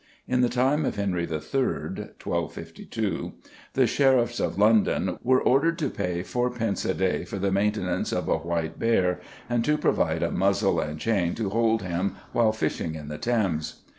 In the time of Henry III. (1252) the Sheriffs of London were "ordered to pay fourpence a day for the maintenance of a white bear, and to provide a muzzle and chain to hold him while fishing in the Thames."